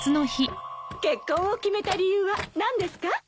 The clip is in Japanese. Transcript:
結婚を決めた理由は何ですか？